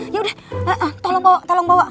yaudah tolong bawa tolong bawa